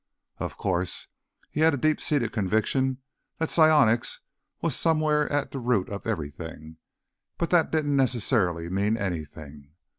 Of course, he had a deep seated conviction that psionics was somewhere at the root of everything, but that didn't necessarily mean anything.